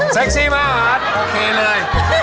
เซ็กซี่มากโอเคเลย